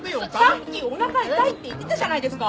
さっきおなか痛いって言ってたじゃないですか。